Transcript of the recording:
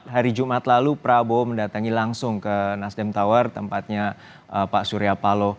hari jumat lalu prabowo mendatangi langsung ke nasdem tower tempatnya pak surya paloh